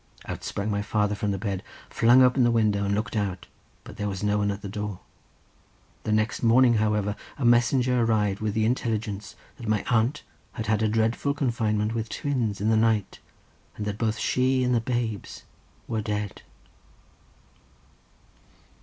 Out sprang my father from the bed, flung open the window, and looked out, but there was no one at the door. The next morning, however, a messenger arrived with the intelligence that my aunt had had a dreadful confinement with twins in the night, and that both she and the babes were dead."